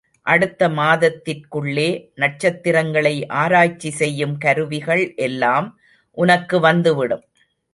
அடுத்த மாதத்திற்குள்ளே நட்சத்திரங்களை ஆராய்ச்சி செய்யும் கருவிகள் எல்லாம் உனக்கு வந்துவிடும்.